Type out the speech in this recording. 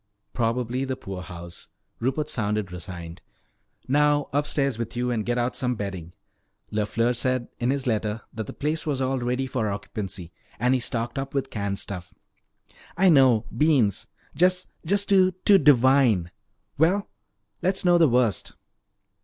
"Probably the poorhouse." Rupert sounded resigned. "Now upstairs with you and get out some bedding. LeFleur said in his letter that the place was all ready for occupancy. And he stocked up with canned stuff." "I know beans! Just too, too divine. Well, let's know the worst."